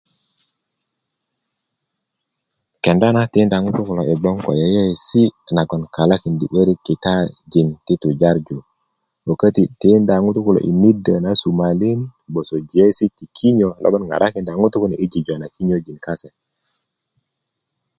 kenda na tikinda ŋutu kulo i bgoŋ ko yeiyesi nagon galakindi 'börik kitajin ti tujarju wo köti tikinda ŋutu kulo i nido na sumalin bgoso giyesi ti kinyo logon ŋarakinda ŋutu kune i jijö na kinyöjin kase